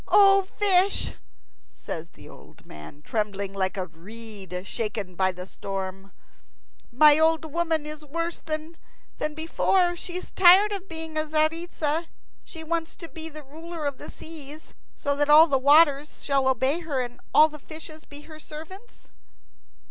"O fish," says the old man, trembling like a reed shaken by the storm, "my old woman is worse than before. She is tired of being Tzaritza. She wants to be the ruler of the seas, so that all the waters shall obey her and all the fishes be her servants."